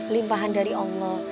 limpahan dari allah